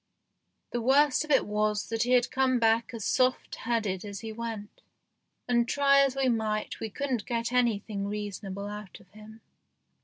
The worst of it was that he had come back as soft headed as he went, and try as we 20 THE GHOST SHIP might we couldn't get anything reasonable out of him.